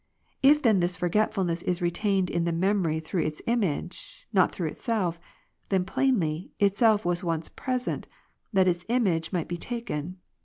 If then this forgetfulness is retained in the memory through its image, not through itself, then plainly, itself was once present, that its image might be taken.